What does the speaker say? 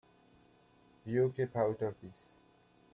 You keep out of this.